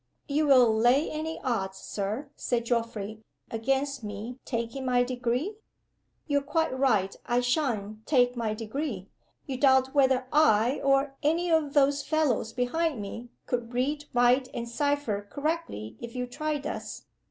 "You will lay any odds, Sir," said Geoffrey "against me taking my Degree? You're quite right. I sha'n't take my Degree. You doubt whether I, or any of those fellows behind me, could read, write, and cipher correctly if you tried us.